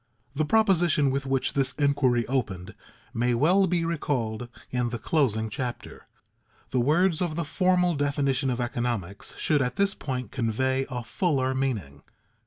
_ The proposition with which this inquiry opened may well be recalled in the closing chapter. The words of the formal definition of economics should at this point convey a fuller meaning.